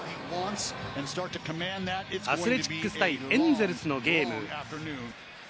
アスレチックス対エンゼルスのゲーム。